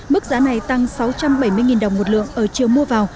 mức giá này tăng sáu trăm bảy mươi đồng một lượng ở chiều mua vào